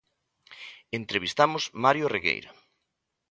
Entrevistamos Mario Regueira.